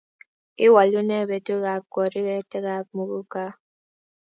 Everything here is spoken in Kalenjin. iwolunen butekab korik etekab muguka